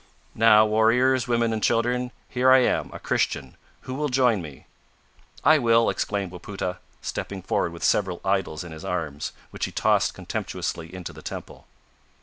"Now, warriors, women and children, here I am a Christian who will join me?" "I will!" exclaimed Wapoota, stepping forward with several idols in his arms, which he tossed contemptuously into the temple.